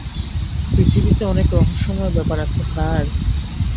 পৃথিবীতে অনেক রহস্যময় ব্যাপার আছে স্যার।